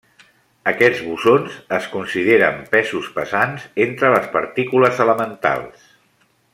Aquests bosons es consideren pesos pesants entre les partícules elementals.